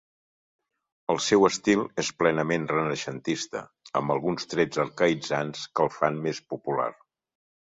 El seu estil és plenament renaixentista, amb alguns trets arcaïtzants que el fan més popular.